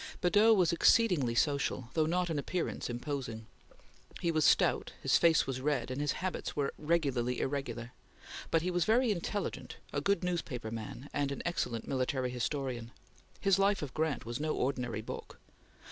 Badeau was exceedingly social, though not in appearance imposing. He was stout; his face was red, and his habits were regularly irregular; but he was very intelligent, a good newspaper man, and an excellent military historian. His life of Grant was no ordinary book.